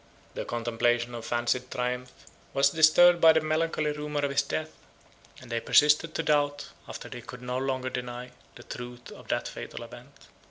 Their contemplation of fancied triumphs was disturbed by the melancholy rumor of his death; and they persisted to doubt, after they could no longer deny, the truth of that fatal event.